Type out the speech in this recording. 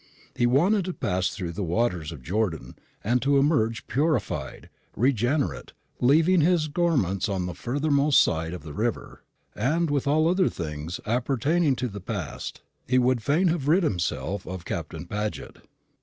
He wanted to pass through the waters of Jordan, and to emerge purified, regenerate, leaving his garments on the furthermost side of the river; and, with all other things appertaining to the past, he would fain have rid himself of Captain Paget.